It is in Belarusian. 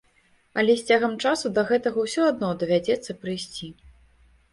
Але з цягам часу да гэтага ўсё адно давядзецца прыйсці.